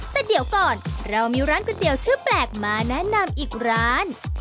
แต่เดี๋ยวก่อนเรามีร้านก๋วยเตี๋ยวชื่อแปลกมาแนะนำอีกร้าน